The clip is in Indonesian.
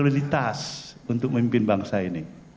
soliditas untuk memimpin bangsa ini